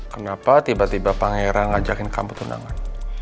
kenapa tiba tiba pangeran ngajakin kamu tunangan